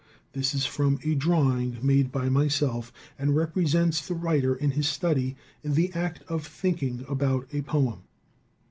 This is from a drawing made by myself, and represents the writer in his study and in the act of thinking about a poem.